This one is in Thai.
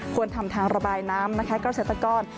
ควรทำทางระบายน้ำนะครับเกาะเศรษฐกร